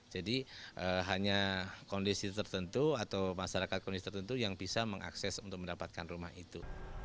jadi hanya kondisi tertentu atau masyarakat kondisi tertentu yang bisa mengakses untuk mendapatkan rumah itu